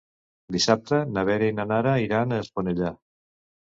Dissabte na Vera i na Nara iran a Esponellà.